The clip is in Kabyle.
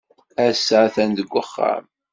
Ass-a atan deg uxxam.